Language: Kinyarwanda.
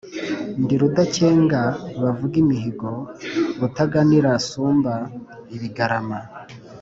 Ndi Rudakenga bavuga imihigo, rutaganira nsumba ibigarama,